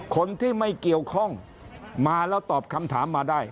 คนที่ไม่เกี่ยวข้องมาแล้วตอบคำถามมาได้